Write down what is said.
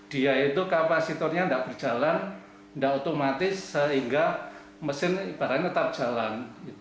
dia itu kapasitornya tidak berjalan tidak otomatis sehingga mesin ibaratnya tetap jalan